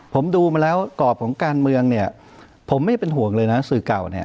ผมดูมาแล้วกรอบของการเมืองเนี่ยผมไม่เป็นห่วงเลยนะสื่อเก่าเนี่ย